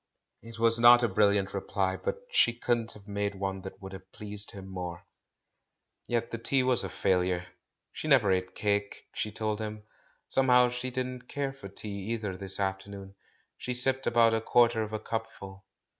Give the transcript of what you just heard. It was not a brilliant reply, but she couldn't have made one that would have pleased him more. Yet the tea was a failure. She never ate cake, she told him; somehow she didn't care for tea either this afternoon — she sipped about a quarter of a cupful.